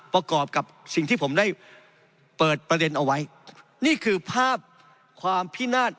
ประกอบกับสิ่งที่ผมได้เปิดประเด็นเอาไว้นี่คือภาพความพินาศ